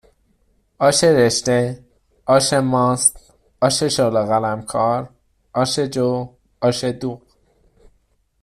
آش رشته آش ماست آش شله قلمکار آش جو آش دوغ